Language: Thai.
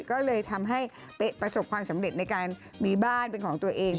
ก็เลยทำให้ประสบความสำเร็จในการมีบ้านเป็นของตัวเอง